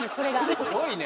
すごいね。